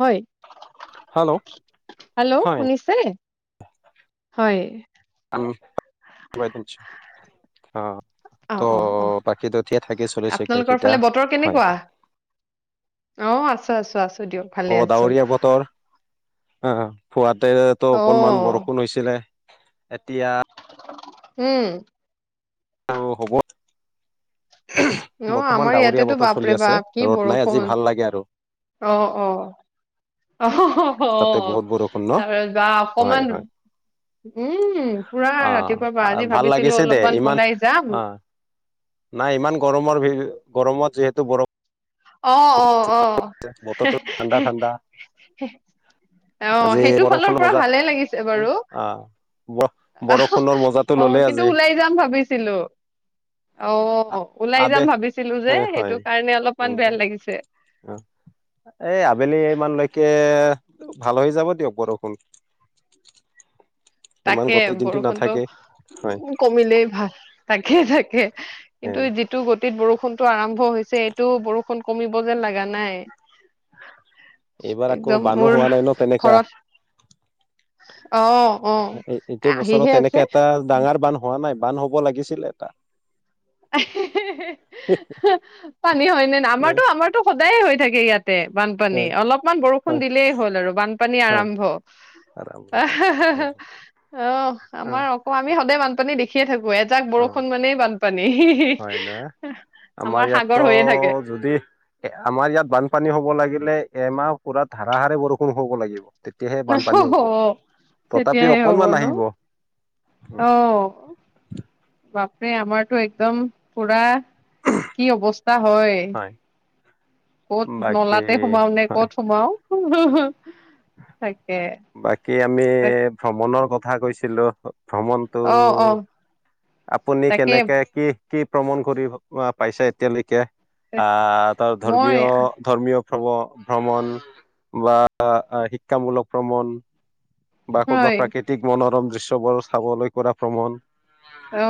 হয়। গড় গড় গড় হেল্ল' শুনিছে নে? হয়। আমি টুবাই বলছি বা আ আ। অ অ অ চলিছে আপোনালোকৰ গোটেইকেইটা ফালে বতৰ হয় কেনেকুৱা অ আছে। আছো আছো আছ অ ডাৱৰীয়া বতৰ আহ আহ। সোৱাদ তেৰেতো অকনমান অ', বৰষুণ হৈছিলে। এতিয়া গড়-গড়-গড় উম। অ হ'ব। উমহু অ', আমাৰ বৰ্তমান ডাৱৰীয়া ইয়াতেতো বতৰ বাপৰে চলি আছে। বাপ কি ৰ'দ নাই, আজি বৰষুণ। ভাল লাগে আৰু অ অ। অহ হ হ হ তাতে বহুত বৰষুণ ন তাৰ বা হয় অকমান হয় উম পুৰা আহ ৰাতিপুৱা পৰা আহ, আজি ভাল ভাবিছিলো লাগিছে দে অলপমান ইমান ওলাই যাম। অ নাই ইমান গৰমৰ ভি গৰমত যিহেতু বৰষ অ অ। অ হে ঠাণ্ডা হে ঠাণ্ডা হেই অ আজি সেইটো ফালৰ বৰষুণ পৰা মজা ভালেই লাগিছে উম, বাৰু, আহ ব বৰষুণৰ মজাটো অ ললে কিন্তু আজি ওলাই যাম ভাবিছিলো অ আ- ওলাই আবে যাম ভাবিছিলো যে হয় হয় সেইটো কাৰণে অলপ ইমান এনে বেয়া লাগিছে। অ এই আবেলিমানলৈকে ভাল হৈ যাব দিয়ক বৰষুণ। ইমান তাকে গোটেই দিনটো নাথাকে বৰষুণতটো হয় উ কমিলেই ভাল। তাকে, তাকে এ কিন্তু যিটো গতিত বৰষু [unintelligible] আৰম হৈছে এইটো বৰষুণ কমিব যেন লগা নাই এইবাৰ আকৌ একদম বানো মোৰ হোৱা নাই ন, তেনেকা। ঘৰত অ অ এ এইটো বছৰত আহিহে আছে তেনেকে এটা ডাঙৰ বান হয হোৱা নাই বান্ধ হ'ব লাগিছিলে এটা পানী হয় নে না, আমাৰতো আমাৰতো সদায় হয় [unintelligible] ইয়াত বানপানী, হয় অলপমান বৰষুণ দিলেই হ'ল আৰু বানপানী হয় আৰম্ভ, আৰম্ভ অ' আমাৰ অক আমি সদায় বানপানী দে সেই এজাক বৰষুণ মানে বা হয় না, আমাৰ সাগৰ ইয়াতো হৈয়ে থাকে। যদি, আমাৰ ইয়াত বানপানী হ'ব লাগিল মানে এমাহ পুৰা ধাৰাহাৰে বৰষুণ হ'ব লাগিব। তেতিয়াহে বানপানী হ'ব তথাপি তেতিয়াহে হ'ব অকনমান ন, আহিব অ' বাপৰে আমাৰ টো একদম, পুৰা, কি অৱস্থা হয়। ক'ত বাকী নলাতে সোমাওঁ নে হয় ক'ত সোমাওঁ। [inaudible] বাকী আমি, ভ্ৰমণৰ কথ থা কৈছিলো। ভ্ৰমণতটো, অ' অ' আপুনি তাকে কেনেকে কি কি প্ৰমণ কৰিব, ৱ পাইছে এতিয়ালৈকে? আহ, তোৰ মই ধৰ্মীয়, ধৰ্মীয় [unintelligible] ভ্ৰমণ বা শিক্ষামূলক ভ্ৰমণ বা হয় ক'ৰবাত প্ৰাকৃতিক মনোৰম যে চবৰ, চাবলৈ কৰা ভ্ৰমণ। অ',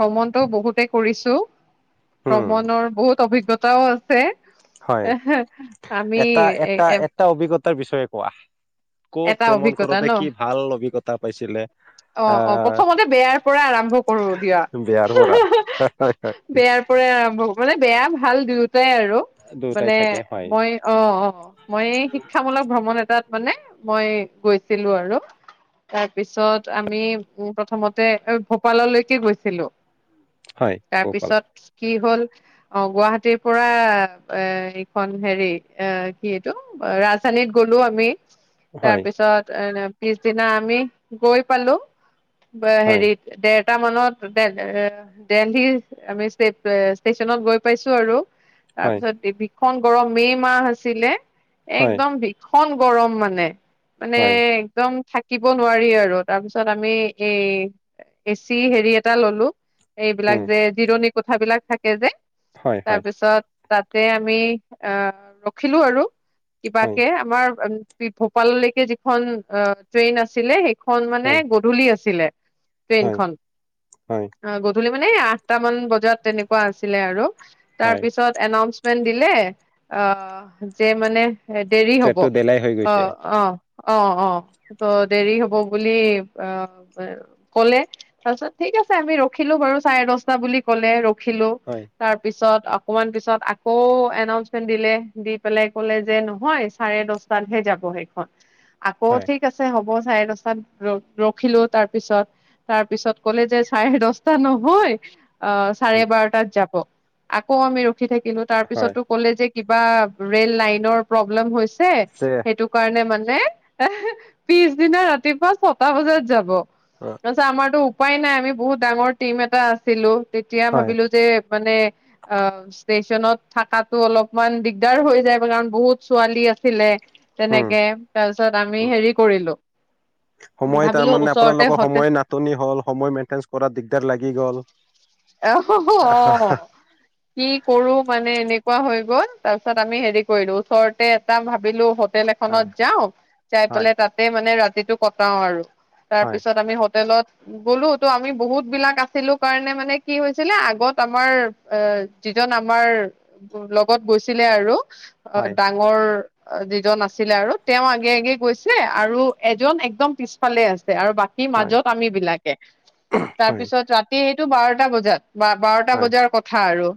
ভ্ৰমণটো বহুতে কৰিছো উম ভ্ৰমণৰ বহুত অভিজ্ঞতাও আছে। হয় এ হে, আমি এটা এ এটা এ [unintelligible] বিষয়ে কোৱা। ক'ত এটা ভ্ৰমণ অভিজ্ঞতা কৰোতে ন। কি ভাল অভিজ্ঞতা পাইছিলে অ', অ, আহ প্ৰথমতে বেয়াৰ পৰা আৰম্ভ কৰো দিয়া, বেয়াৰ পৰা হয় হয় বেয়াৰ পৰাই আৰম্ভ মান বেয়া ভাল দুই [unintelligible] আৰু, দুয়োটাই মানে, থাকে হয় মই অ, অ, মই শিক্ষামূলক ভ্ৰমণ এটাত মানে। মই গৈছিলো আৰু, তাৰপিছত আমি উ প্ৰথমতে ভোপাললৈকে গৈছিলো। তাৰপিছত কি হ'ল অ, গুৱাহাটীৰ পৰা এ এইখন হেৰি, এ কি এইটো ৰাজসালীত গ'লো আমি। তাৰ পিছত এ পিছদিনা আমি, গৈ পালো। ব হেৰি দে এটা মানত দে দে এ দেল্লীৰ আমি ষ্টেচনত গৈ পাইছো আৰু। তাৰপিছত দেবীক [unintelligible] গৰম মে মাহ আছিলে। একদম ভিক খন গৰম মানে। মানে, একদম থাক কিব নোৱাৰি আৰু। তাৰপিছত আমি এই এচি হেৰি এটা ললোঁ। এইবিলাক যে জিৰণি কোঠাবিলাক থাকে যে তাৰপিছত তাতে আমি অহ', ৰখিলো আৰু। কিবাকে আমাৰ উ [unintelligible] লৈকে যিখন অ', ট্ৰেইন আছিলে সেই খন মানে গধূলি আছিলে। ট্ৰেইনখন। গধূলি মানে আঠটা মান বজাত, তেনেকুৱা আছিলে আৰু। তাৰপিছত এনাউন্ মেন দিলে। অ', যে মানে দেৰি হ'ব। ডেলাই হৈ গৈছে। অ'। অ', অ', অ', ত, দেৰি হ'ব বুলি অ', ক'লে। তাৰপিছত ঠিক আছে আমি ৰখিলো বাৰু চাৰে দশটা বুলি ক'লে। ৰখিলো। তাৰপিছত অকণমান পিছত আকৌ এনাউচমেন্ট দিলে। দি পেলাই কলে যে নহয়, চাৰে দছটাত হে যাব সেই হত আকৌ ঠিক আছে হ'ব। চাৰে দছটাত ৰ ৰখিলো। তাৰ পিছত তাৰ পিছত ক'লে যে চাৰে দছটা নহয়, অ', চাৰে হয়। উম, বাৰটাত যাব। আকৌ আমি ৰ উঠি থাকিলো। তাৰ হয়। পিছতো ক'লে যে কিবা ৰে'ল লাইনৰ প্ৰব্লেম হৈছ ছে যে, সেইটোক মানে মানে এ হে পিছদিনা ৰাতিপুৱা ছটা বজাত যাব। অ', তৰ ছে আমাৰতোক উপায় নাই। আমি বহুত ডাঙৰ টিম এটা আছিলোঁ। তেতিয়া হয়, ভাবিলো যে মানে অ', ষ্টেচনত থকাতো অলপমান দিগদাৰ হৈ যায়। কাৰণ বহুত ছোৱালী আছিলে। উম, তেনেকে তাৰপিছত আমি উম। হেৰি কৰিলোঁ। সময় ভাবিলোঁ তাৰমানে ওচৰতে আপোনালোকৰ হোটে, সময় নাটনি হ'ল, সময় মেইনটেনেঞ্চ কৰাত দিগদাৰ লাগি গ'ল। আহ হ অহ', কি কৰো মানে এনেকুৱা হৈ গ'ল। তাৰপিছত আমি হেৰি কৰিলোঁ। ওচৰতে এটা ভাবিলোঁ হোটেল এখনত হয়, যাওঁ যাই হয়, পেলাই তাতে মানে ৰা- তিতো কটাও আৰু তাৰ হয়, পিছত আমি হোটেলত গলো তো আমি বহুত বিলাক আছিলো কাৰণে মানে কি হৈছিলে আগত আমাৰ এ যিজন আমাৰ লগত গৈছিলে আৰু অ হয়, ডাঙৰ অ যিজন নাছ- ছিলে আৰু তেওঁ আগে আগে গৈছিলে আৰু এজন একদম পিছফালে আছে আৰু বাকী হয়, মাজত আমি বিলাকে হয়, তাৰপিছত ৰাতি টো বাৰটা বজাত বা বাৰটা হয়, বজাৰ কথা আৰু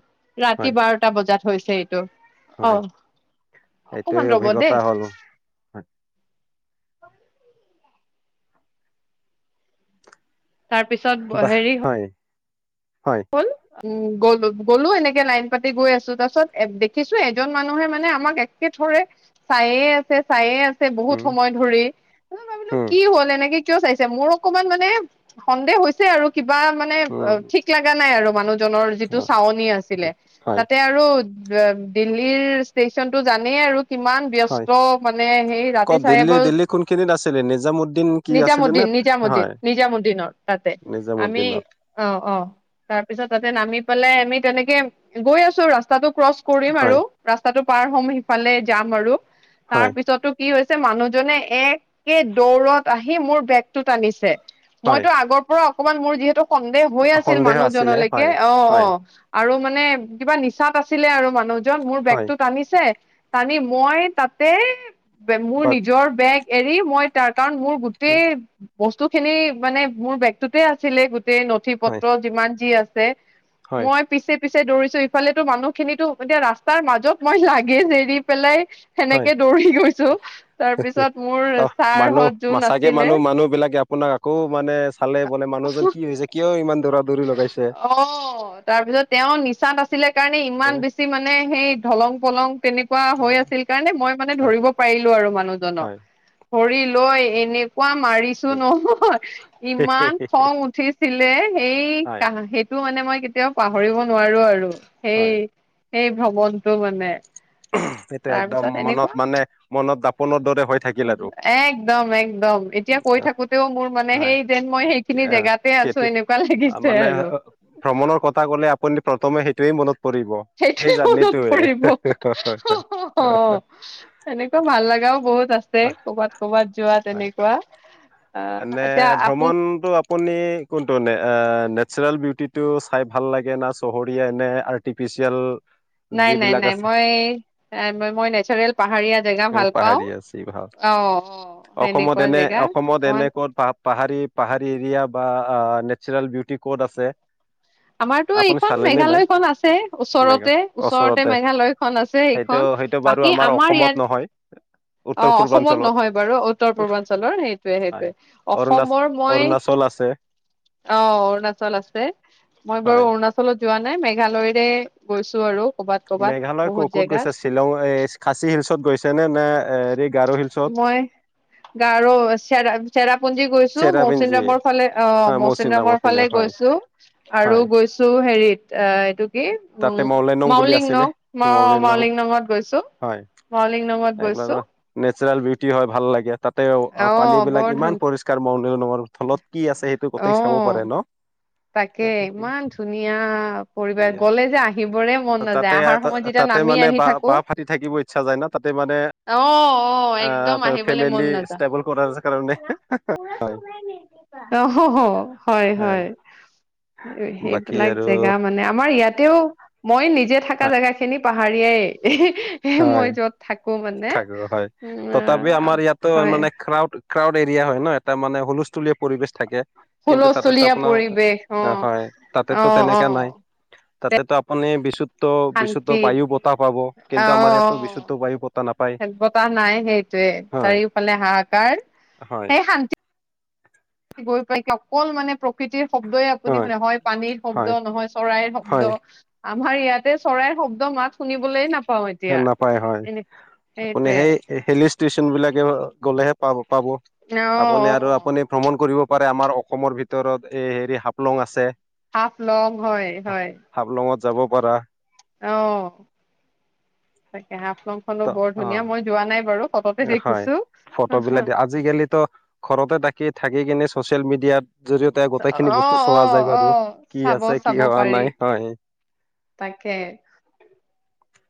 ৰাতি হয়, বাৰটা বজাত হৈছে ত অ হয়। এইটোৱে অকমান ৰ'ব অভিজ্ঞতা দেই হ'ল। হয় তাৰ পিছত বাহ, হেৰি হয়, হয় হ'ল উম গলো গলো এনেকে লাইন পাতি গৈ আছো তাৰ পিছত দেখিছো এজন মানুহে মানে আমাক একেথৰে চাইয়ে আছে চাইয়ে আছে বহুত উম, সময় ধৰি মই ভাবিলো উম, কি হ'ল এনেকে কিয় চাইছে মোৰ অকমান মানে সন্দেহ হৈছে আৰু কিবা মানে অ উম, ঠিক লগা নাই আৰু মানুহটো জনৰ যিটো অ, চাৱনি আছিলে হয়, তাতে আৰু দিল্লীৰ ষ্টেচন টো জানেই আৰু কিমান হয়। ব্যস্ত মানে সেই ৰাতি ক'ত দিল্লী চাৰেবাৰ দিল্লী কোনখিনিত আছিলে নিজামুদ্দিন কি আছিলে নে নিজামুদ্দিন নিজামু্দিন হয় নিজামুদ্দিনৰ তাতে আমি নিজামুদ্দিনত অ অ তাৰ পিছত তাতে নামি পেলাই আমি তেনেকে গৈ আছো ৰাস্তাটো ক্ৰচ কৰিম আৰু হয় ৰাস্তাটো পাৰ হ'ম সিফালে যাম আৰু তাৰ হয় পিছতো কি হৈছে মানুহজনে একে দৌৰত আহি মোৰ বেগটো টানিছে হয় মইতো আগৰ পৰা অকমান মোৰ যিহেতু সন্দেহ হৈ আছে আছিল সন্দেহ আছিলে মানুহজনলৈকে হয় অ অ হয় আৰু মানে কিবা নিচাত আছিলে আৰু মানুহ জন মোৰ হয় বেগটো টানিছে টানি মই তাতে মোৰ বাক নিজৰ বেগ এৰি মই তাৰ কাৰণ মোৰ গোটেই বস্তু খিনি মানে মোৰ বেগটোতে আছিলে গোটেই নথি পত্ৰ হয় পত্ৰ যিমান যি আছে হয় মই পিছে পিছে দৌৰিছো ইফালেতো মানুহ খিনিতো এতিয়া ৰাস্তাৰ মাজত মই লাগেজ এৰি পেলাই হয় সেনেকে দৌৰি গৈছো তাকে তাৰপিছত মোৰ তাত মানুহ ছাৰহঁত যোন মাচাগে আছিলে মানুহ মানুহ বিলাকে আপোনাক আকৌ মানে চালে বোলে মানুহজন কি হৈছে কিয় ইমান দূৰত অ তাৰপিছত তেওঁ নিচাত আছিলে কাৰণে ইমান হয় বেছি মানে সেই দলং পলং তেনেকুৱা হৈ আছিল কাৰণে মই মানে ধৰিব পাৰিলো আৰু মানুহজনক হয় ধৰি লৈ লৈ এনে এনেকোৱা মাৰিছো ঠিক নহয় ইমান খং উঠিছিলে এই হয় কা সেইটো মানে মই কেতিয়াও পাহৰিব নোৱাৰো আৰু সেই। হয় এই ভ্ৰৱন। সেইটো একদম তাৰপিছত মনত এনেকুৱা মানে মনত দাপোনৰ দৰে হৈ থাকিল আৰু একদম একদম এতিয়া কৈ থাকোতেও মোৰ মানে হয় সেই যেন মই সেইখিনি জেগাতে কেতিয়া আছো এনে। মানে ভ্ৰমণৰ কথা কলে আপুনি প্ৰথমেই। এইটেই মনত পৰিব সেই সেইটোৱে মনত জানটয়ে। পৰিব এনেকুৱা ভাল লগাও বহুত আছে হয়। কৰ'বাত কৰ'বাত যোৱা তেনেকুৱা। আহ এনে এতিয়া আপ ভ্ৰমণতটো আপুনি কোনটো নে নেচাৰেল বি। কূুৰ্তিটো চাই ভাল লাগে না চহৰি এনে আৰ্টিফিচিয়েল। নাই নাই যিবিলাক নাই আছে মই মই নেচাৰেল পাহাৰীয়া জেগা ভাল পাওঁ পাহাৰীয়া আছে ভাল অ অ সেনেকুৱা জেগা। অকমান তেনেকত প পাহাৰী পাহাৰী এৰিয়া। বা নেচাৰেল বিউটি ক'ত আছে। আমাৰতো আপুনি এইখন চালেনে নাই মেঘালয়খন আছে ওচৰতে ওচৰতে মেঘালয় খ আছে। সেইটো এইখন সেইটো বাৰু বাকী আমাৰ অসমত নহয় ইয়াত উত্তৰ অ অসমত পূৰ্বাঞ্চলত নহয় বাৰু উত্তৰ পূৰ্বাঞ্চলৰ সেই। য় হয় সেইটয়ে অৰুণাচ অসমৰ মই অৰুণাচল আছে অ অৰুণাচল আছে। মই বাৰু হয় অৰুণাচলত। যোৱা নাই মেঘালয়ৰে গৈছো আৰু। কৰ'বাত কৰ'বাত মেঘালয় ক' বহুত ক'ত জেগাত গৈছে শ্বিলং এই খাচী হিলছত গৈছে নে নে। হেৰি গাৰো হিলছত মই গাও চিয়ান। চেৰাপ। পুঞ্জি গৈছো মৌচিন চেৰাপিঞ্জী ৰামৰ ফালে অ হয় মৌচিন মৌচিনৰামৰ ৰামৰ পিনে ফালে হয় গৈছো আৰু হয় গৈছো হেৰিত। অ এইটো। তাতে মলেনং বুলি মউলিং আছিলে নং মই মলেনং মউলিং নঙত গৈছো হয় মওলিং নঙত গৈছো। নেচাৰেল বিটি হয় ভাল লাগে তাতে অ পানী বিলাক বৰ ধুন ইমান পৰিষ্কাৰ ম। মোৰ নাম ত তলত কি আছে সেইটো অ গোটেই চাব পাৰে ন। তাকে ইমান ধুনীয়া পৰিবেশ গলে। যে আহিবৰে মন নাযায় তাতে আহাৰ সময়ত যেতিয়া তাতে নামি মানে আহি বাহ থাকো বাহ ফাটি থাকিব ইচ্ছা যায় ন তাতে মানে অ। অ একদম আহ আহিবলে ফেমিলি মন নাযায় ষ্টেবল কৰাৰ কাৰণে হয়। অ হয় হয় সেইবিলাক জেগা মানে আমাৰ ইয়াতেও। মই নিজে থকা জেগাখিনি পাহাৰৰিয়াই হয় মই যত থাকো মানে থাকো হয়। উ তথাপি আমাৰ ইয়াতো হয় মানে ক্ৰাউড ক্ৰাউড এৰিয়া হয় ন এটা মানে হুলস্থুলীয়া পৰিৱেশ থাকে কিন্তু হুলস্থুলীয়া তাতেতো আপোনাৰ পৰিৱেশ হয় অ অ অ তাতে তো আপুনি বিচুত বিশুদ্ধ শান্তি বায়ু বতাহ পাব অ কিন্তু আমাৰ ইয়াতো বিশুদ্ধ বায়ু বতাহ নাপায়। অ বতাহ নাই সেইটোৱে হয় চাৰিওফালে হাহাকাৰ হয় সেই শান্তি গৈ পাই অকল মানে প্ৰকৃতিৰ শব্দই আপুনি হয় নহয় পানীৰ শব্দ হয় নহয় চৰাইৰ শব্দ হয় আমাৰ ইয়াতে চৰাইৰ শব্দ মাত শুনিবলৈ নাপা নাপায় হয় আপুনি সেইটোৱে সেই লিষ্ট্ৰ ষ্টেচন বিলাকে গ'লেহে পাব পাব অ', আপুনি আৰু অ', আপুনি ভ্ৰমণ কৰিব পাৰে আমাৰ অসমৰ ভিতৰত এই হেৰি হাফলং আছে হাফ লং হয় হয় হাফলঙত যাব পাৰা অহ তাকে হাফলং খনো ত বৰ অ ধুনীয়া মই যোৱা নাই বাৰু ফটোতে হয় দেখিছো। ফটো বিলাক দিয়ে, আজি কালিতো ঘৰতে তাকি থাকি কিনে ছ'চিয়েল মিডিয়াত জৰিয়তে গোটেইখিনি অ বস্তু অ চোৱা যায় অ বাৰু কি চাব আছে কি চাব হোৱা পাৰি নাই হয় তাকে,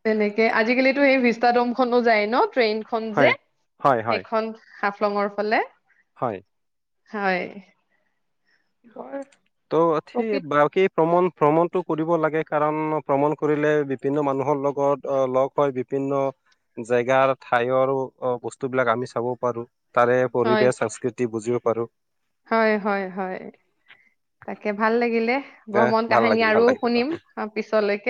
তেনে কে আজি কালিতো এই ভিস্তাডোম খনো যায় ন ট্ৰেইন খন যে হয় হয় হয় সেইখন হাফলংৰ ফালে হয় হয় বৰ ত থি প্ৰকৃত বাকি ভ্ৰমণ ভ্ৰমণটো কৰিব লাগে কাৰণ ভ্ৰমণ কৰিলে বিভিন্ন মানুহৰ লগত লগ হৈ বিভিন্ন জেগাৰ ঠাইওৰ বস্তুবিলাক আমি চাব পাৰো তাৰে হয়, পৰিৱেশ সংস্কৃতি বুজিব পাৰো হয় হয় হয় তাকে ভাল লাগিলে এ ভ্ৰমন ভাল কাহিনী লাগিল আৰু ভাল লাগিল শুনিম অ পিছলৈকে